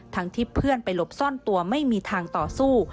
ที่เพื่อนไปหลบซ่อนตัวไม่มีทางต่อสู้